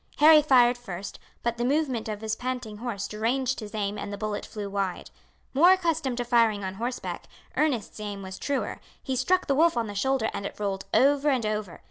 Harry fired first, but the movement of his panting horse deranged his aim and the bullet flew wide. More accustomed to firing on horseback, Ernest's aim was truer, he struck the wolf on the shoulder, and it rolled over and over.